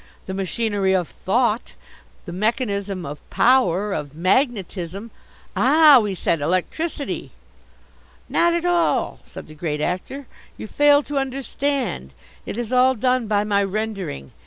"The machinery of thought, the mechanism of power, of magnetism " "Ah," we said, "electricity." "Not at all," said the Great Actor. "You fail to understand. It is all done by my rendering.